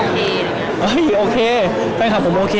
เพราะว่าเหมือนแฟนคลับเราก็ไม่โอเค